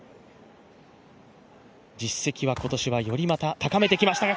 実績は今年はより高めてきましたが。